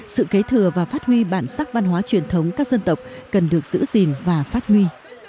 sự kế thừa và phát huy bản sắc văn hóa truyền thống các dân tộc cần được giữ gìn và phát huy